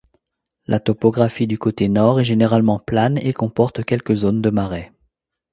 La topographie du côté Nord est généralement plane et comporte quelques zones de marais.